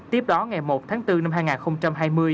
tiếp đó ngày một tháng bốn năm hai nghìn hai mươi